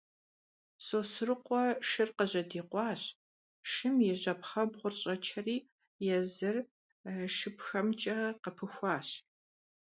Sosrıkhue şşır khıjedikhuaş, şşım yi jepxhebğur ş'eçeri yêzır şşıpxemç'e khıpıxuaş.